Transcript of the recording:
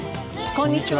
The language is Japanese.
こんにちは。